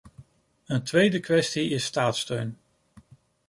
Een tweede kwestie is staatssteun.